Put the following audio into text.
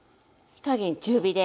火加減中火で。